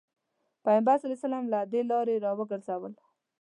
پيغمبر ص له دې کاره راوګرځول.